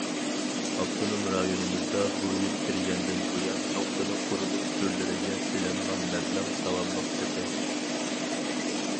ئاپتونوم رايونىمىزدا بۇ يىل كىرگەندىن بۇيان، نۇقتىلىق قۇرۇلۇش تۈرلىرىگە سېلىنغان مەبلەغ داۋاملىق كۆپەيدى.